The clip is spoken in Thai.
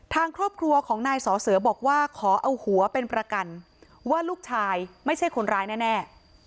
ทางครอบครัวของนายสอเสือบอกว่าขอเอาหัวเป็นประกันว่าลูกชายไม่ใช่คนร้ายแน่